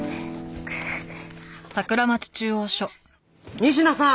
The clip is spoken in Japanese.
仁科さん！